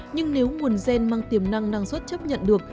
nhưng nếu nguồn gen mang tiềm năng năng suất chấp nhận được